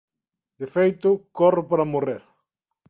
De feito corro para morrer.